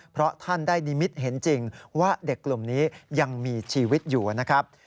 เพราะท่านได้นิมิตเห็นจริงว่าเด็กกลุ่มนี้ยังมีชีวิตอยู่นะครับ